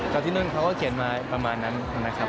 กลับที่นู้นเขาก็เขียนมาประมาณนั้นแล้วนะครับ